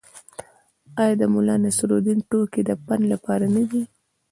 آیا د ملانصرالدین ټوکې د پند لپاره نه دي؟